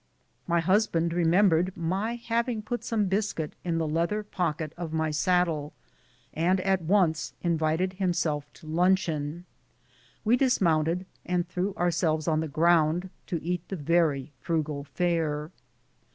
My husband remem bered my having put some biscuit in the leather pocket on my saddle, and invited himself to luncheon at once. We dismounted, and threw ourselves on the ground to eat the very frugal fare.